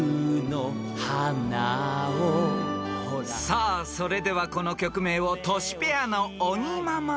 ［さあそれではこの曲名をトシペアの尾木ママ